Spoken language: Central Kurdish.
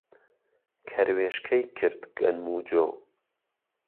کەروێشکەی کرد گەنم و جۆ